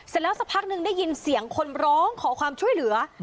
แล้วสักพักหนึ่งได้ยินเสียงคนร้องขอความช่วยเหลือ